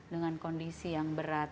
dengan kondisi yang berat